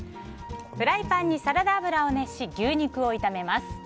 フライパンにサラダ油を熱し牛肉を炒めます。